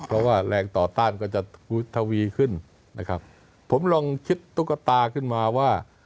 เพราะว่าแรงต่อต้านก็จะทวีขึ้นนะครับผมลองคิดตุ๊กตาขึ้นมาว่า